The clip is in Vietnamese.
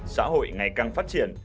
xã hội ngày càng phát triển